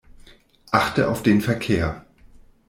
Achte auf den Verkehr.